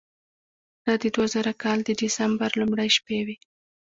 دا د دوه زره کال د دسمبر لومړۍ شپې وې.